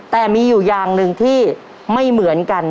แต่มีอยู่อย่างหนึ่งที่ไม่เหมือนกัน